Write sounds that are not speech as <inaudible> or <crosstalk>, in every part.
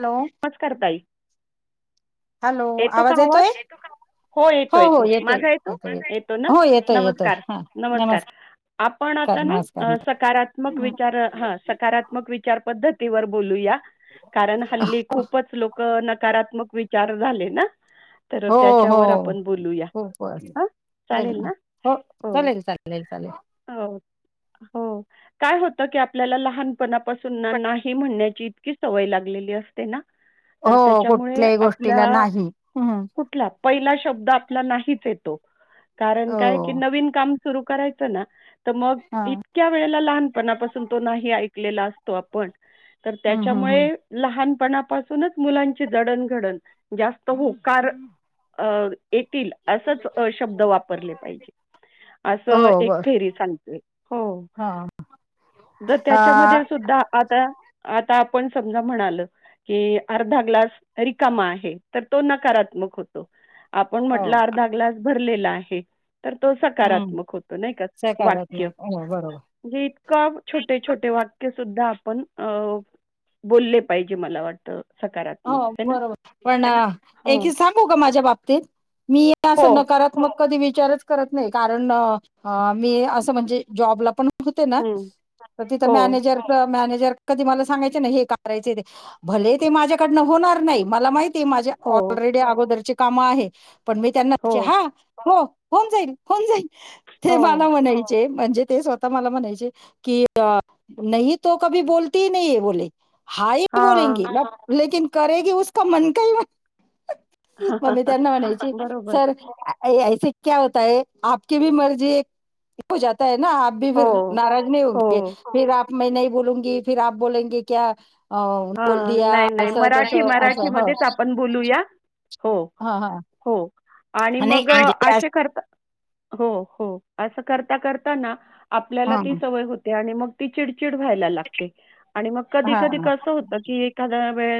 Hello नमस्कार ताई hello येतो का आवाज येतोय हो येतो हो येतो येतोय माझा येतो येतोय येतोय येतो ना हो येतोय येतोय नमस्कार हा नमस्कार आपण आता नमस्कार ना सकारात्मक विचार हा सकारात्मक विचार पद्धती ती वर बोलूया. कारण हल्ली खूपच लोक सकारात्मक विचार झाले ना. तर हो हो त्याच्यावर आपण बोलूया. खूप हां, चालेल ना? हो चालेल चालेल चालेल हो, हो काय होत की आपल्याला लहानपणापासून नाही म्हणण्याची इतकी सवय लागलेली अस ते ना, तर हो त्याच्यामुळे कुठल्याही गोष्टीला आपल्या नाही हम्म कुठला पहिला शब्द नाहीे च येतो. कारण हो काय की नवीन काम सुरु करायचं ना. तर मग हा इतक्या वेळेला लहानपणापासून तो नाही ऐक लेला असतो आपण तर हम्म हम्म हम्म त्याच्यामुळे लहान णापासूनच मुलांचे जडण घडण जास्त होते कारण येतील असच शब्द वापरले पाहिजे, अस हो एक बर थेरी सांगते हो हा अ त्याच्यामध्ये सुद्धा आता आता पण समजा म्हणालं. कि अर्धा ग्लास रिकामा आहे तर तो नकारात्मक होतो. आपण हो म्हटलं अर्धा ग्लास भरलेला आहे. तर तो हम्म सकारात्मक होतो नाही का वाक्य सकारात्मक हो बरोबर म्हणजे इतका छोटे छोटे वाक्य सुद्धा आपण बोलले पाहिजे मला वाट <inaudible> हो बरोबर पण हो एक सांगू का माझ्या बाबतीत मी हो त्यां नकारात्मक कधी विचारच करत नाही कारण मी अस म्हणजे जॉब ला पण होते ना हं. तिथं हो मॅनेजर म कधी मला सांगायचे हे करायचा ते भले ते माझ्या कडन होणार नाही मला माहिती ती माझ्या हो ऑलरेडी अगोदरची काम आहे. पण मी त्यांना हो हा हो. होन जाईल कोन जाईल. ते हो मला म्हणायचे. म्हणजे ते स्वतः मला म्हणायचे की नाही तो कधी बोलती नाहीे बोले. हायय हा बोलंगी म लकन करेग उका मन काही मम् ममी त्यांना म्हणायची बरोबर सर अ ऐसे क्या होताय आपकी भी मर्जी एक हो जात ह ना आप भी फिर हो नाराज नाही हो हऊगे फिर आप म नाही बोलूंगी फिर आप बोलंगे क्या? हो हां बलदिया. नाही नाही असं मराठी तसं मराठी असं मच आपण बोलूया हो हा हा हो. आणि नाही मग म्हणजे अस- असे करता हो हो. असं करता करताना. आपल्याला ती हं, सवय होते आणि मग तेि चड. वय ला कधी हा क हो क एखा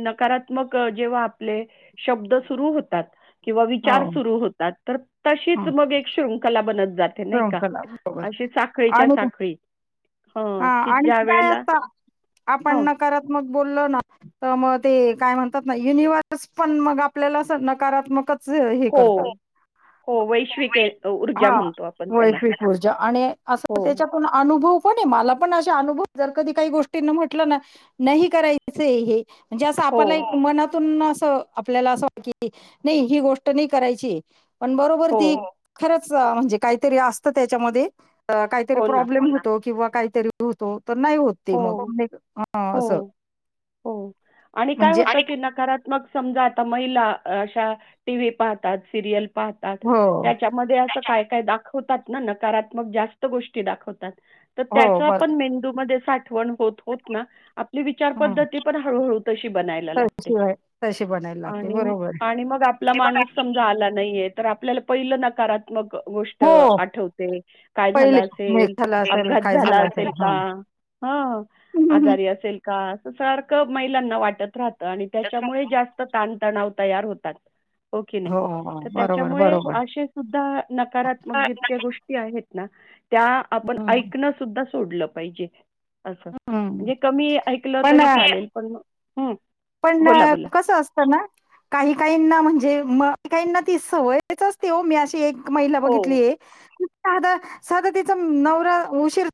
नकारात्मक जेव्हा आपले शब्द सुरू होतात. किंवा हो विचार सुरू होतात तर तशीच हं, मग एक शृंखला बनत. जाते नाही का श्रृंखला बरोबर आशी साखळीच्या आणि साखळी हं हा की आणि ज्या वेळेला <unintelligible> आपण हं न करत मग बोल ना त म ते काय म्हणतात ना युनिव्हर्स पण मगं आपल्याला आस नकारात्मक हे हो करतात हो वैश्विक ए ऊर्जा म्हणतो आपण व्हय त्याला की पूजा आणि आस हो, तेच्या पुन्हा आनूभव मला पण आशी अनुभव जर कधी काही गोष्टींना म्हटलं ना नाही करायचं हे. म्हणजे आसं आपल्या हो, एक मनात पुन्हा आस आपल्याला आसं वा की नाही ही गोष्ट नाही करायची. पण बरोबर ती हो, खर चा म्हणजे काहीतरी आसत तेच्यामध्ये काहीतरी हो ना. प्रॉब्लेम होतो. किंवा कायतरी होतो. नाही होत ते हो, म हां हो, आसं म्हणजे आणि त्मक समजा आता महिला अशा टि व्ही पाहतात सिरियल पाहतात हो त्याच्यामध्ये अस काय काय दाखवतात. ना नकारात्मक जास्त गोष्टी दाखवतात. त हो त्याचं बर आपण मेंदूमध्ये साठवण होत होत ना आप ली विचार हं. पद्धती पण हळूहळू तशी बनायला लागते. तशी तशी बनायला लागते आणि बरोबर आणि मग आपला माणूस समजा आला नाहीये तर आपल्याला पहिलं नकारात्मक गोष्ट हो आठवते काय झालं पहिले मिस आसेल, झाला असेल अपघात काय झाला झालं असेल आसेल हा. का? हा आजारी आसेल का आस सार क महिलांना वाटत राह त आणि त्याच्यामुळे जास्त ताणतणाव तयार होतात. हो की नाही हो, तर बरोबर त्याच्यामुळे बरोबर आशे सुद्धा नकारात्मक जितक्या गोष्टी आहेत ना त्या आपण हम्म ऐकणं सुद्धा सोडलं पाहिजे. असं हम्म म्हणजे कमी ऐकलं पण तरी चालेल पण म पण कसं असत ना काही काहींना म्हणजे म काहिंना ती सवयच असती हो मी आश ती एक महिला हो. बघितली आहे. अं साधं साध तिचा नवरा उशीर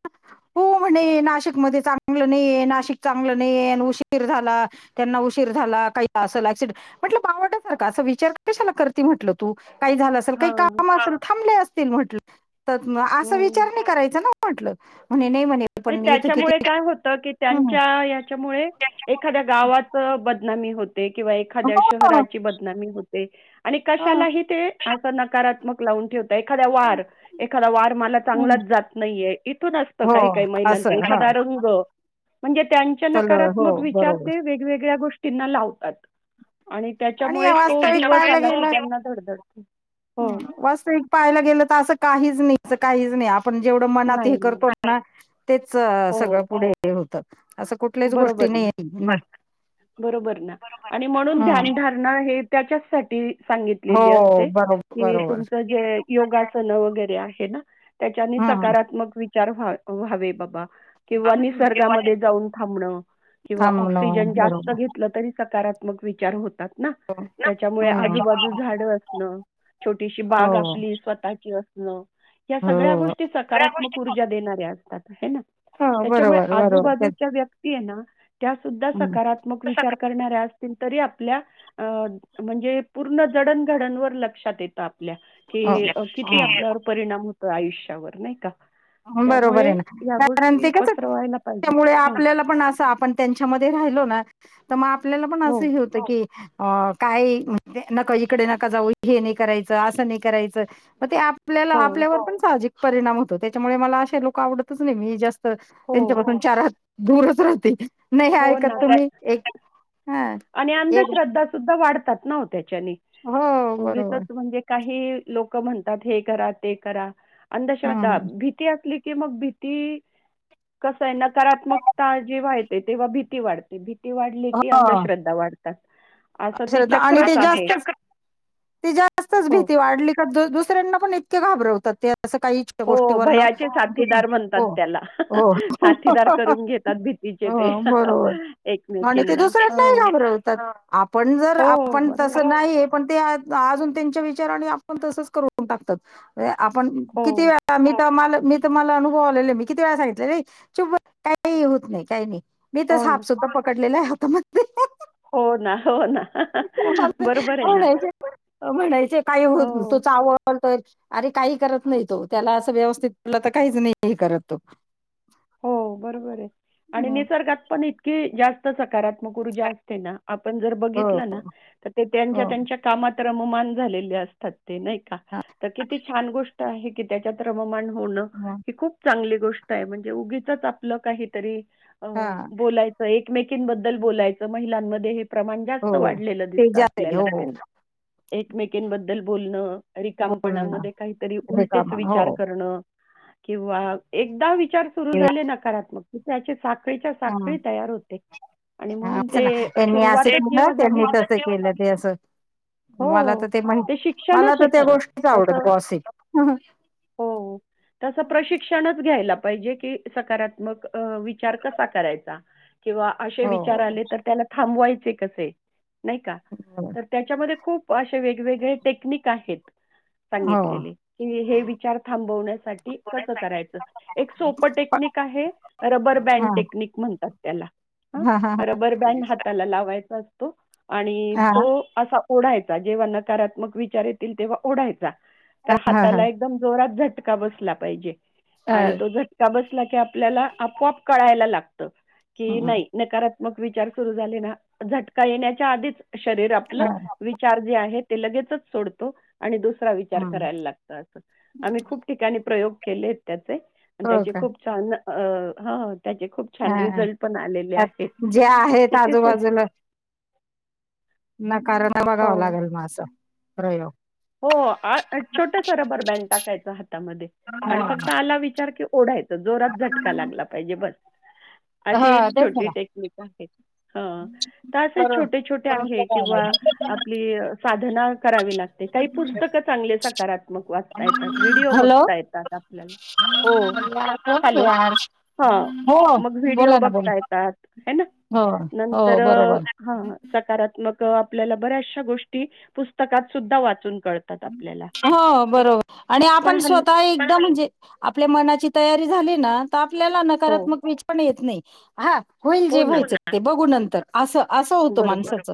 हो म्हणे नाशिक मध्ये चांगलं नाहीये, नाशिक चांगलं नाहीये उशीर झाला त्यांना उशीर झाला काही आसल ॲक्सिडे म्हटलं बावळटासारखा असा विचार कशाला करती म्हटलं तू. काही झालं असल, काही हां. काम असंल, थांबले अस तीन म्हंटल तत म असा विचार नाही करायचा नां. म्हटलं मी णि त्याच्यामुळे काय होत, की हं. त्यांच्या ह्याच्यामुळे एखाद्या गावात च बदनामी होत ते किंवा एखाद्या हो शहराची बदनामी होते आणि हं, कशालाही ते अस नकारात्मक लावून ठेव एखादा हं, वार, एखादा वार मला हं. चांगलाच जात नाहीये, इथून असत हो काही फुलांचा असं हां एखादा रंग, म्हणजे त्यांचे कल हो नकारात्मक विचार बरोबर ते वेगवेगळे त्या गोष्टींना लावतात आणि आणि त्याच्यामुळे आणि तो वास्तविक त्याच्यामुळे दिवस पाहायला तो आला, की गेलं त्यांना दिवस धडधडत. हं वास्तविक पाहाला गेलं तर असं काहीच नाही. असं काहीच नाही आप आपण जेवढं मनात हे नाही, नाही. करतो ना <unintelligible> तेच, सगळं हो. पुढे हे होतं असं कुठल्याच गोष्टी बरोबर नाही ना, हं बरोबर ना, आणि हं. म्हणून ध्यानधारणा हे त्याच्याचसाठी सांगितलेली हो असते, बरोबर की बरोबर तुमचं जे योगासन वगैरे आहे हे ना, त्याच्यानी हं सकारात्मक वि चार हं हवे बाबा किंवा निसर्गामध्ये जाऊन थांबणं, किंवा थांबणं ऑक्सिजन जास्त बरोबर घेतला तरी सकारात्मक विचार होतात. <unintelligible> ना, त्याच्यामुळे हं आजूबाजू झाड असणं, छोटीशी हो बाग आपली स्वतःची अस हो <unintelligible> या सगळ्या हो गोष्टी सकारात्मक ऊर्जा देणाऱ्या असतात. आहे ना? हा त्याच्यामुळे बरोबर बरोबर आजूबाजूच्या व्यक्ती आहे ना त्यासूद्धा हं सकारात्मक विचार करणाऱ्या तरी आपल्या म्हणजे पूर्ण जडणघडण वर लक्षात येतात ल्या हो कि की किती आपल्यावर परिणाम हो आयुष्यावर नाही का बरोबर त्यामुळे आहे ना या कारण गोष्टी ते कस पसरवायला पाहिजे. मूळे हं. आपल्याला पण अस आपण त्यांच्यामध्ये राहिलो ना तमा आपल्याला पण हो, असं हे होतं की अ काही म्हणजे नका इकडे नका जाऊ हे नाही करायचं असं नाही करायचं मग ते आप आपल्याला हो, आपल्यावर पण साहजिक परिणाम होतो त्या त्यामुळे मला असे लोक आवडतच नाही मी जास्त तर हो. त्यांच्यापासून चार हात दूरच राहते नाही हो ना, ऐकत त्या तुम्ही एक हा आणि एक अंधश्रद्धा सुद्धा वाढतात नव्ह त्याच्यानी हो बरोबर उगीचच म्हणजे काही लोक म्हणतात. हे करा ते करा अंधश्रद्धा हम्म भीती असली की मग भीती कस आहे नकारात्मकता जेव्हा येते तेव्हा भीती वाढते भी ती वाढली की अंधश्रद्धा वाढता अंधश्रद्धा आणि ते जास्तच ते जास्तच हो. भीती वाढली का दुसऱ्यांना पण घाबरवतात ते असं काही छोट्या हो, गोष्टीवरण, भयाचे साथीदार म्हणतात त्याला. हो-हो-हो साथीदार करून घेतात भीतीचे ते बरोबर मग आणीते एकमेकींना. दुसऱ्यां नाही हां. घाबरवतात. आपण जर हो, आपण बरोबर. तसं नाही पण ते अजून त्यांचे विचार आणि आपण तसच करून टाकतात आपण हो. किती वेळा मी तर माल मी, तर मला अनुभव आलेले. मी किती वेळा सांगितले चु काही होत नाही, काही नाही. मी तर हो ना. साप सुद्धा पकड लेले हाता मध्ये हो ना, हो ना. मग बरोबर आहे ना. म्हणायचं म्हणायचे काही होत तो हो. चाव तर अरे काही करत नाही तो, त्याला असं व्यवस्थितलं तर काहीच नाही हे करत तो. हो बरोबर आहे आणि हं निसर्गात पण इ की जास्त स सकारात्मक ऊर्जा असते ना आपण जर हो बघितलंं ना तर ते हो त्यांच्या यांच्या कामात रममान झालेले असतात. ते नाही का? हां तर किती छान गोष्ट आहे कि त्याच्यात रममान हां तोंडलंखुप चांगलीयेत गोष्ट आहे म्हण म्हणजे उगीचच आपलं काहीतरी अ हां बोलायचं एक एकमेकींबद्दल बोलायचं महिलांमध्ये हे प्रमाण हो जास्त वाढलेलं ते दिसतं जाते आपल्याला हो एकमेकीबद्दल बोलणं पूर्ण रिकामपणामध्ये काहीतरी उलटेच रिकामा हो विचार करणं किंवा एकदा विचार सुरू झाले नकारात्मक त्यांचे सात हं साखळी तयार होते आणि हां, म्हणून असं ते ना त्यांनी असं सुरुवातच केलं जेव्हा झाली त्यांनी ना तसं केलं ते असं मला हो तर माहित ते मला शिक्षणच तर आहे त्या खरं गोष्टीच आवडत तसं गॉसिप हो तसं प्रशिक्षणच घ्यायला पाहिजे कि कि सकारात्मक विचार कसा करायचा किंवा असे हो विचार हो आले तर त्याला थांबवायचे हे कसेय नाही का तर त्याच्यामध्ये खूप व अशे वेगवेगळे टेक्निक आहेत. हां सांगितलेले हे विचार थांबण्यासाठी कसं करायचं एक सोप पण टेक्निक आहे रबर बँड हां टेक्निक म्हणतात त्याला ह हां हां रबर बँड हाताला लावायचाअस तू आणि हां तो असा ओढायचा जेव्हा नकारात्मक विचार येतील तेव्हा ओढायचा तर हां हां हाताला एकदम जोरात झट का बसला पाहिजे अ, आणि तो जर बसला की आपल्याला आपोआप कळायला लागतं की हं हां नाही नकारात् मग विचार सुरू झाले ना झटका येण्याच्या आधीच शरीर आपलं विचार जे आहेत ते लगेच सोडतो आणि दुस विचार हं करायला लागतात आम्ही खूप ठिकाणी प्रयोग केलेत त्याचे त्याची खूप छान न अ हं हा जे आहेत किती सोप आजूबाजूला नकारान बघावा हो. लागेल मग असं. प्रयोग हो, आ छोटासा रबर बँड टाकायचा. त्यामध्ये हो आणि फक्त आला विचार की, पुढ हायत जोरात झटका लागला पाहिजे बरं. अशी हो एक तेच ना छोटी टेक्निक आहे. ह तर असे करून छोटे छोटे करून आहे बघायला किंवा लागेल. आपली साधना करावी लाग काही पुस्तक चांगले सकारात्मक वाचता येतात. व्हिडिओ हॅलो बघता येतात. आपल्याला हो म्हणलं कोण हॅलो यार ह हो मग व्हिडिओ बोला ना बघता बोला येतात. हाय ना, हो हो तर बरोबर हा सकारात्मक. अ आपल्याला बऱ्याशा गोष्टी पुस्तकात. सुद्धा वाचून कळतात आपल्याला. <inaudible> हो तर बरोबर आणि पण आपण <unintelligible> हल् स्वतः एकदा म्हणजे आपल्या मनाची तयारी झाली ना. <inaudible> आपल्याला हो. नकारात्मक वीज पण येत नाही. हा होईल जे हो ना. व्हायचं <unintelligible> ते बघून नंतर तर असं असं होत बरोबर. माणसाच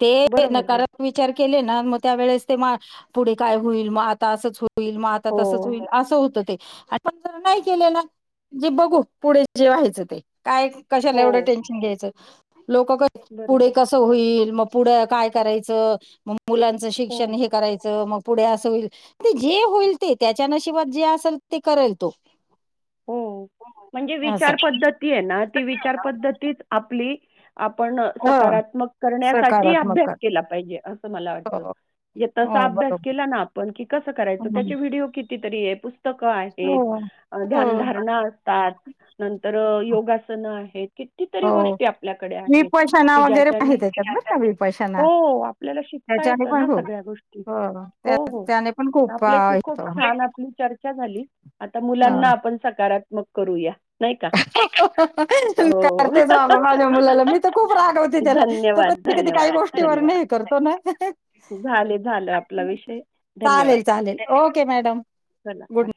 ते बरोबर ना. नकारात्मक विचार. केले ना मग त्या वेळेस ते पुढे काय होईल? मग आता असच होईल. होईल मग आता तसच हो. होईल असं होतं ते. आणि पण ज नाही केले ना जे बघू पुढे जे व्हायचं ते काय? कशाला? एवढं हो. टेन्शन घ्यायचं. लोक पुढे बरोबर. कसं होईल? मग पुढ काय करायच? म मुलांचं शिक्षण हो. हे कराय मग पुढे अस होईल. ते जे होईल ते त्याच्या नशिबात जे असेल ते करेल तो. हो म्हणजे असं विचार पद्धती आहे ना ती विचार पद्धतीच आपली आपण ह सकारात्मक करण्यासाठी सकारात्मक अभ्यास केला पाहिजे. असं मला वाटतं. हो म्हणजे तसा हो अभ्यास बरोबर केला ना आपण कि कसं करायचं त्याचे व्हिडिओ किती <unintelligible> पुस्तक आहेत. हो हो ध्यानधारणा असतात. नंतर अ योगासन आहेत. कितीतरी हो गोष्टी आपल्याकडे आहेत विपशना कि वगैरे आहे ज्याच्याने त्याच्यात बरं का विपशना हो आपल्याला शिकता त्याच्याने येत पण ना खूप सगळ्या गोष्टी हो त्या हो त्याने पण खूप आपल्या अ, शि येतो छान हं. आपली चर् झाली आत मुलांना आपण सकारात मग करूया. नाही का? मी हो. करतेच बाबा माझ्या मुलाला. मी तर खूप रागवते त्याला. तो धन्यवाद, कधी कधी काही धन्यवाद, गोष्टीवरन धन्यवाद. हे करतो ना झाले झालं आपला विषय. चालेल धन्यवाद. चालेल ओके मॅडम चला गुड बाय. ना